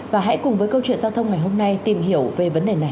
và hãy cùng với câu chuyện giao thông ngày hôm nay tìm hiểu về vấn đề này